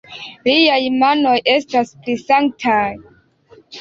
Liaj manoj estas prisangitaj.